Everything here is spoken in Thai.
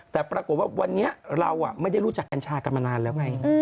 แต่ปรากฏว่าวันนี้เราไม่ได้รู้จักกัญชากันมานานแล้วไง